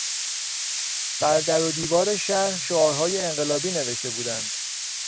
بر در و دیوار شهر شعارهای انقلابی نوشته بودند.